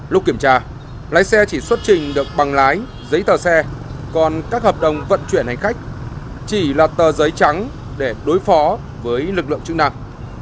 lúc kiểm tra lái xe chỉ xuất trình được bằng lái giấy tờ xe còn các hợp đồng vận chuyển hành khách chỉ là tờ giấy trắng để đối phó với lực lượng chức năng